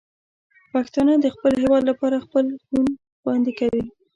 پښتانه د خپل هېواد لپاره خپل خون خوندي کوي.